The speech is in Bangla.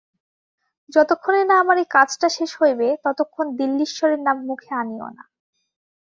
যতক্ষণে না আমার এই কাজটা শেষ হইবে, ততক্ষণ দিল্লীশ্বরের নাম মুখে আনিও না।